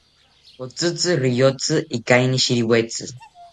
Otzitzi riyotzi ikainishiriwetzi